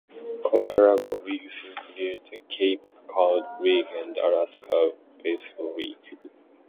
Comparable leagues included the Cape Cod League and the Alaska Baseball League.